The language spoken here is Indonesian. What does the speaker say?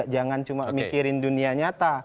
jangan cuma mikirin dunia nyata